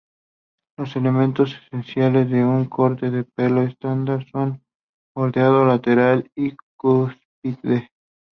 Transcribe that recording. Los elementos esenciales de un corte de pelo estándar son bordeado, lateral y cúspide.